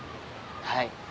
はい。